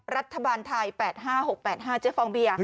รัฐบาลไทย๘๕๖๘๕เจฟองเบียร์